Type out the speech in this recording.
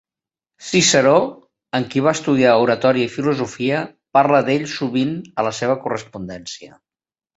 Ciceró, amb qui va estudiar oratòria i filosofia, parla d'ell sovint a la seva correspondència.